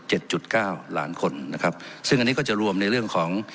จุดเก้าล้านคนนะครับซึ่งอันนี้ก็จะรวมในเรื่องของ